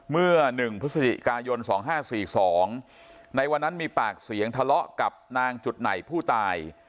เมื่อ๑พฤศจิกายน๒๕๔๒ในวันนั้นมีปากเสียงทะเลาะกับนางจุดไหนผู้ตาย